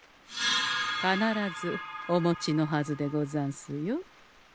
必ずお持ちのはずでござんすよ。